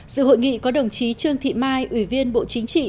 dự hội nghị có đồng chí trương thị mai ủy viên bộ chính trị